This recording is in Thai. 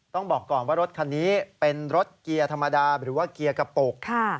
ต้องบอกก่อนว่ารถคันนี้เป็นรถเกียร์ธรรมดาหรือว่าเกียร์กระปุก